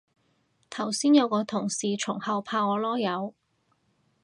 頭先有同事從後拍我籮柚